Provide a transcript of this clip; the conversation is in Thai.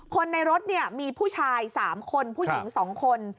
คนในรถมีผู้ชาย๓คนผู้หญิง๒คน